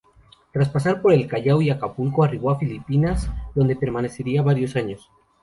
Tras pasar por El Callao y Acapulco, arribó a Filipinas, donde permanecería varios años.